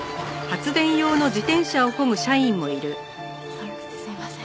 寒くてすいません。